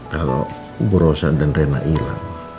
kalau bu rosa dan rena hilang